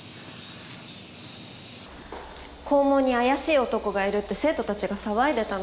校門に怪しい男がいるって生徒たちが騒いでたので。